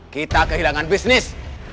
kita kehilangan bisnis